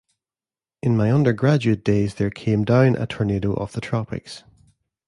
In my undergraduate days there came down a tornado of the tropics.